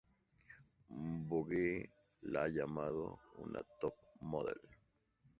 Vogue la ha llamado una top model.